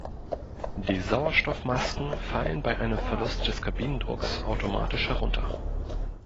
Die Sauerstoffmasken fallen bei einem Verlust des Kabinendrucks automatisch herunter.